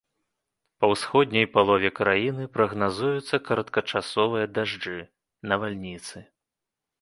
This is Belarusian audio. Па ўсходняй палове краіны прагназуюцца кароткачасовыя дажджы, навальніцы.